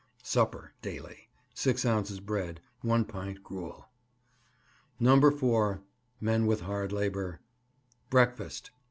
Supper Daily 6 ounces bread, 1 pint gruel. No. 4. MEN WITH HARD LABOUR. Breakfast.